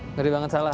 ngeri banget salah